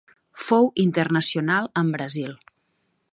Fou internacional amb Brasil.